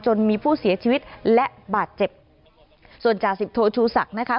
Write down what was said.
จนมีผู้เสียชีวิตและบาดเจ็บส่วนจ่าสิบโทชูศักดิ์นะคะ